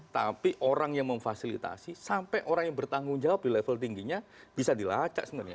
tapi orang yang memfasilitasi sampai orang yang bertanggung jawab di level tingginya bisa dilacak sebenarnya